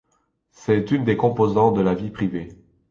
C'est une des composantes de la vie privée.